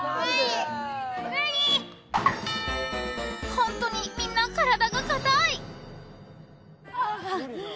［ホントにみんな体が硬い］